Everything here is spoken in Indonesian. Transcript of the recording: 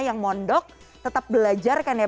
yang mondok tetap belajar kan ya